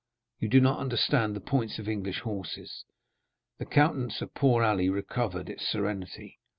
You do not understand the points of English horses." The countenance of poor Ali recovered its serenity.